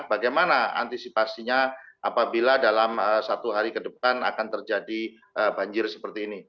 bagaimana antisipasinya apabila dalam satu hari ke depan akan terjadi banjir seperti ini